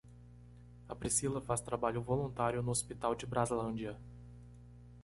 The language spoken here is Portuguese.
A Priscila faz trabalho voluntário no Hospital de Brazlândia.